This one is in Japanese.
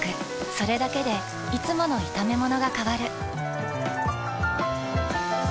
それだけでいつもの炒めものが変わる。